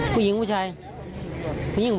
ผู้หญิงหรอผู้หญิงหรอ